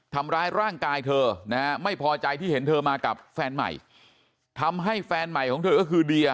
ทำร้ายร่างกายเธอนะฮะไม่พอใจที่เห็นเธอมากับแฟนใหม่ทำให้แฟนใหม่ของเธอก็คือเดีย